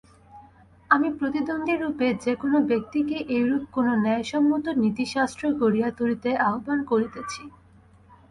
আমি প্রতিদ্বন্দ্বিরূপে যে কোন ব্যক্তিকে এইরূপ কোন ন্যায়সম্মত নীতিশাস্ত্র গড়িয়া তুলিতে আহ্বান করিতেছি।